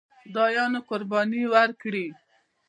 خدایانو قرباني وکړي.